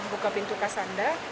buka pintu kasanda